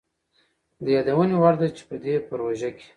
د يادوني وړ ده چي په دې پروژه کي